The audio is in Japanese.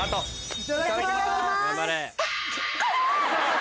・いただきます。